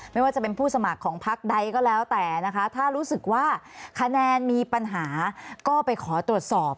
ไม่ว่าจะเป็นผู้สมัครของพักใดก็แล้วแต่นะคะถ้ารู้สึกว่าคะแนนมีปัญหาก็ไปขอตรวจสอบ